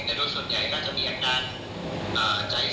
เพราะว่ามัวเสียร้อนมากกว่านี้